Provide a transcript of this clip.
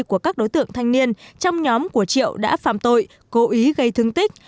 của các đối tượng thanh niên trong nhóm của triệu đã phạm tội cố ý gây thương tích